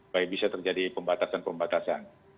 baik bisa terjadi pembatasan pembatasan